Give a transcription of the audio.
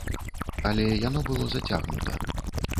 Але яно было зацягнута.